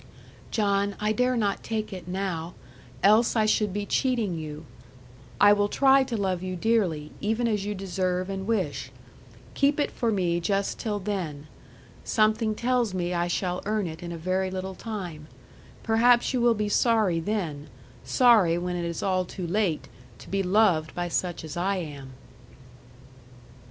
'John, I dare not take it now; else I should be cheating you. I will try to love you dearly, even as you deserve and wish. Keep it for me just till then. Something tells me I shall earn it in a very little time. Perhaps you will be sorry then, sorry when it is all too late, to be loved by such as I am.'